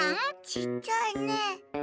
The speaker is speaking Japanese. ちっちゃいね。